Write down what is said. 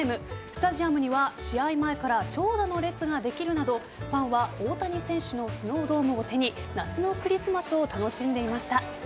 スタジアムには試合前から長蛇の列ができるなどファンは大谷選手のスノードームを手に夏のクリスマスを楽しんでいました。